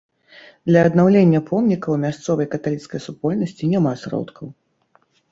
Для аднаўлення помніка ў мясцовай каталіцкай супольнасці няма сродкаў.